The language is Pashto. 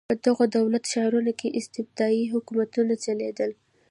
په دغو دولت ښارونو کې استبدادي حکومتونه چلېدل.